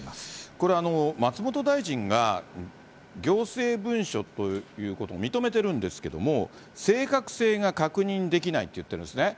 これ、松本大臣が、行政文書ということを認めてるんですけども、正確性が確認できないって言ってるんですね。